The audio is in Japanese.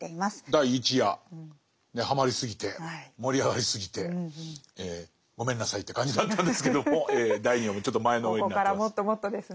第１夜はまりすぎて盛り上がりすぎてごめんなさいって感じだったんですけども第２夜もちょっと前のめりになってます。